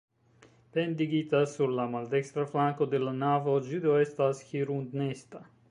Pendigita sur la maldekstra flanko de la navo, ĝi do estas hirundnesta.